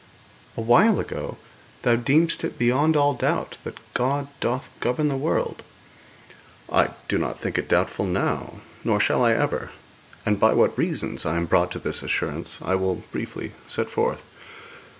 'Awhile ago thou deemedst it beyond all doubt that God doth govern the world.' 'I do not think it doubtful now, nor shall I ever; and by what reasons I am brought to this assurance I will briefly set forth.